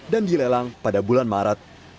dan dilelang pada bulan maret